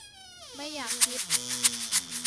ไม่อยากคิด